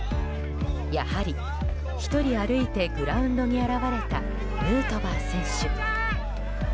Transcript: やはり、１人歩いてグラウンドに現れたヌートバー選手。